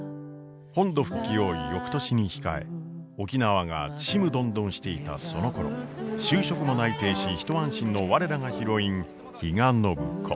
本土復帰を翌年に控え沖縄がちむどんどんしていたそのころ就職も内定し一安心の我らがヒロイン比嘉暢子。